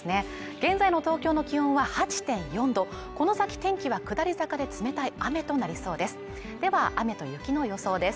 現在の東京の気温は８．４度この先天気は下り坂で冷たい雨となりそうです